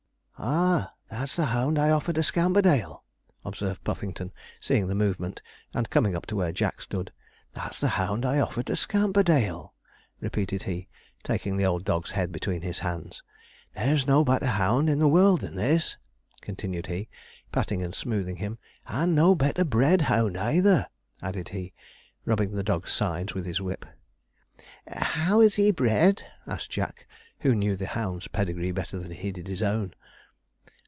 'Ah, that's the hound I offered to Scamperdale,' observed Puffington, seeing the movement, and coming up to where Jack stood; 'that's the hound I offered to Scamperdale,' repeated he, taking the old dog's head between his hands. 'There's no better hound in the world than this,' continued he, patting and smoothing him; 'and no better bred hound either,' added he, rubbing the dog's sides with his whip. 'How is he bred?' asked Jack, who knew the hound's pedigree better than he did his own.